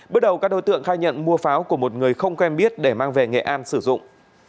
bước đầu các đối tượng khai nhận mua pháo của một người không quen biết để mang về nghệ an sử dụng